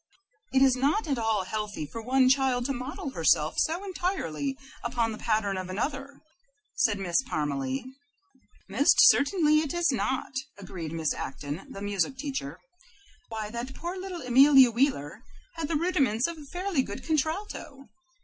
"It is not at all healthy for one child to model herself so entirely upon the pattern of another," said Miss Parmalee. "Most certainly it is not," agreed Miss Acton, the music teacher. "Why, that poor little Amelia Wheeler had the rudiments of a fairly good contralto.